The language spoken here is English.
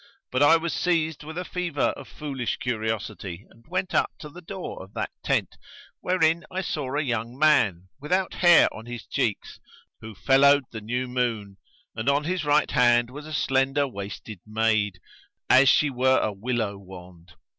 But I was seized with a fever of foolish curiosity and went up to the door of that tent, wherein I saw a young man, without hair on his cheeks, who fellowed the new moon; and on his right hand was a slender waisted maid, as she were a willow wand.